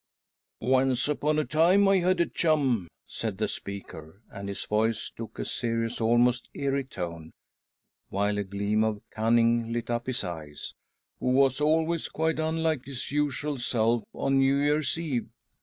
" Once upon a time I had a chum," said the speaker, and his voice took a serious, almost eerie tone, while a gleam of cunning lit up his eyes, " who. was always quite unlike his usual self on New Year's Eve.